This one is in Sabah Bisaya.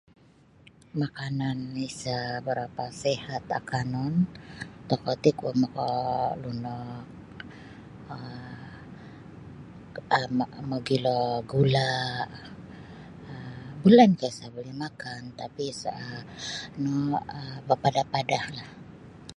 Makanan isa barapa sihat akanon tokou ti kuo maka lunok um magilo gula um bukan isa buli makan tapi se um no berpada-padahlah